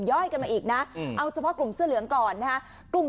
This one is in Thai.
ย่อยกันมาอีกนะเอาเฉพาะกลุ่มเสื้อเหลืองก่อนนะฮะ